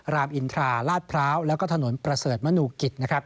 รามอินทราลาดพร้าวแล้วก็ถนนประเสริฐมนูกิจนะครับ